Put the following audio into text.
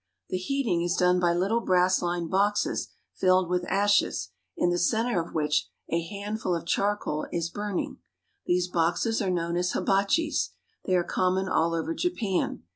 The heating is done by little brass lined boxes filled with ashes, in the center of which a handful of charcoal is burning. These boxes are known as hibachis. They are common all over Japan.